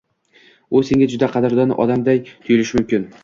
U senga juda qadrdon odamday tuyulishi mumkin.